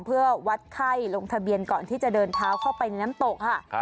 เพื่อวัดไข้ลงทะเบียนก่อนที่จะเดินเท้าเข้าไปในน้ำตกค่ะ